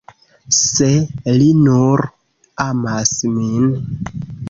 Se li nur amas min.